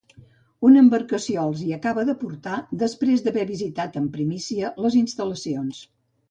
Una embarcació els hi acaba de portar, després d'haver visitat en primícia les instal·lacions.